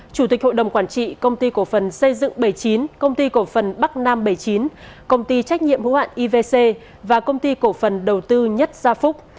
chủ tịch hội đồng quản trị công ty cổ phần xây dựng bảy mươi chín công ty cổ phần bắc nam bảy mươi chín công ty trách nhiệm hữu hạn ivc và công ty cổ phần đầu tư nhất gia phúc